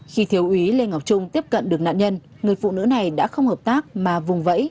khi thiếu úy lê ngọc trung tiếp cận được nạn nhân người phụ nữ này đã không hợp tác mà vùng vẫy